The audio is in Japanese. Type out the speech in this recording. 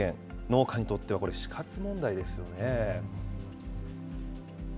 農家にとっては死活問題ですよね。